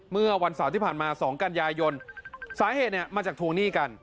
เมื่อวันเสาร์ที่ผ่านมา๒กันยายนสาเหตุเนี่ยมาจากทวงหนี้กัน